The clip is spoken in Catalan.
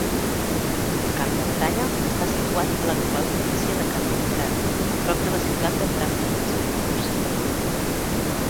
El camp de batalla està situat a l'actual província de Kaliningrad, prop de la ciutat de Pravdinsk, Rússia.